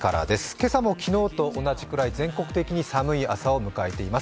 今朝も昨日と同じくらい全国的に寒い朝を迎えています。